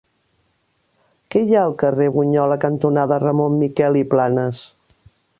Què hi ha al carrer Bunyola cantonada Ramon Miquel i Planas?